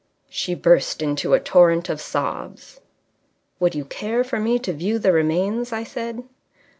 She burst into a torrent of sobs. "Would you care for me to view the remains?" I said.